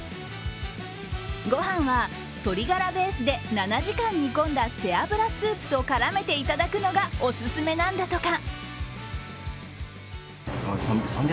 御飯は鶏ガラベースで７時間煮込んだ背脂スープと絡めていただくのがオススメなんだとか。